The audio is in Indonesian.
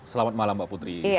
selamat malam mbak putri